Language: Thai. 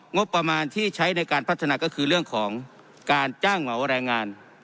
งบประมาณที่ใช้ในการพัฒนาก็คือเรื่องของการจ้างเหมาแรงงาน